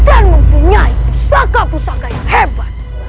dan mempunyai pusaka pusaka yang hebat